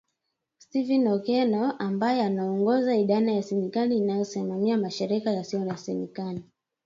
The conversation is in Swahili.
Stephen Okello ambaye anaongoza idara ya serikali inayosimamia mashirika yasiyo ya kiserikali